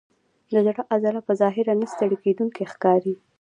د زړه عضله په ظاهره نه ستړی کېدونکې ښکاري.